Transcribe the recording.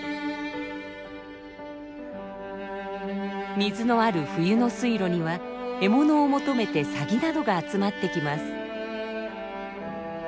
水のある冬の水路には獲物を求めてサギなどが集まってきます。